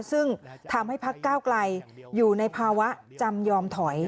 ซึ่งทำให้พักก้าวไกลอยู่ในภาวะจำยอมถอย